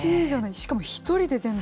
しかも一人で全部。